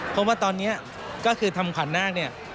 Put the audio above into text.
เพราะว่าตอนนี้ก็คือทำขวัญนาคเนี่ย